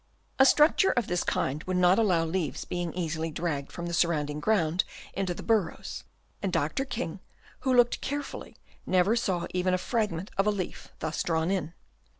A structure of this kind would not allow leaves being easily dragged from the surrounding ground into the bur rows ; and Dr. King, who looked carefully, never saw even a fragment of a leaf thus drawn in.